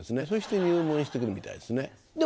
そして入門してるみたいですね。